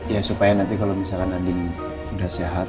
ya supaya nanti kalau misalkan andin udah sehat